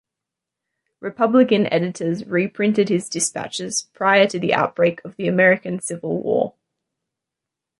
Republican editors reprinted his dispatches prior to the outbreak of the American Civil War.